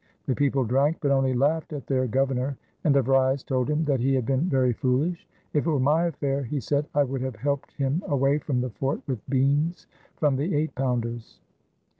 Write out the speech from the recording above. The people drank, but only laughed at their governor, and De Vries told him that he had been very foolish. "If it were my affair," he said, "I would have helped him away from the fort with beans from the eight pounders."